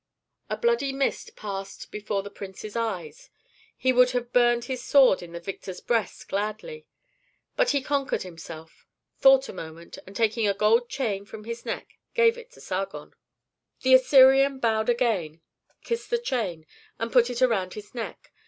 A bloody mist passed before the prince's eyes; he would have buried his sword in the victor's breast gladly. But he conquered himself, thought a moment, and taking a gold chain from his neck gave it to Sargon. The Assyrian bowed again, kissed the chain, and put it around his neck.